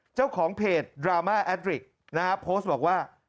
เจ้าของเพจดราม่าแอดริกนะฮะโพสต์บอกว่า